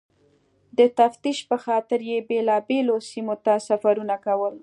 د تفتیش پخاطر یې بېلابېلو سیمو ته سفرونه کول.